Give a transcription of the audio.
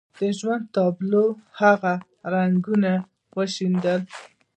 د ژوند پر تابلو هغه رنګونه وشيندل.